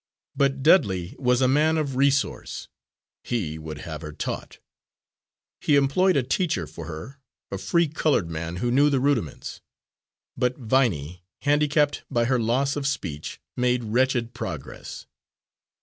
But Dudley was a man of resource he would have her taught. He employed a teacher for her, a free coloured man who knew the rudiments. But Viney, handicapped by her loss of speech, made wretched progress.